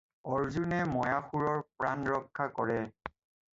অৰ্জুনে ময়াসুৰৰ প্ৰাণৰক্ষা কৰে।